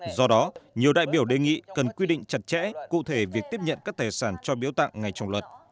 do đó nhiều đại biểu đề nghị cần quy định chặt chẽ cụ thể việc tiếp nhận các tài sản cho biếu tặng ngay trong luật